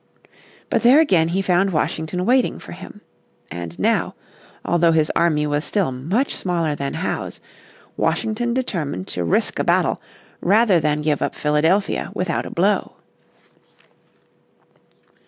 But there again he found Washington waiting for him. And now, although his army was still much smaller than Howe's, Washington determined to risk a battle rather than give up Philadelphia without a blow.